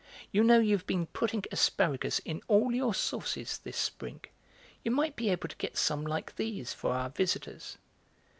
You know you've been putting asparagus in all your sauces this spring; you might be able to get some like these for our visitors."